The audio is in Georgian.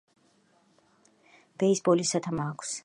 ბეისბოლის სათამაშო მოედანს რომბის ფორმა აქვს.